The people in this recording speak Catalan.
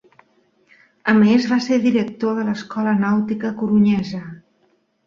A més va ser director de l'Escola Nàutica corunyesa.